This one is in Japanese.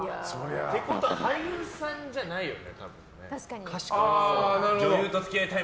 てことは俳優さんじゃないよね、たぶん。